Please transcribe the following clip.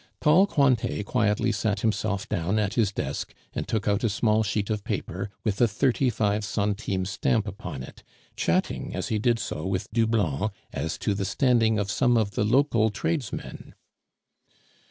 Tall Cointet quietly sat himself down at his desk and took out a small sheet of paper with a thirty five centime stamp upon it, chatting as he did so with Doublon as to the standing of some of the local tradesmen.